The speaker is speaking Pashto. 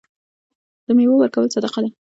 د میوو ورکول صدقه ده.